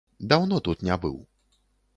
Даўно тут не быў.